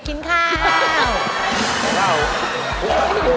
กินข้าว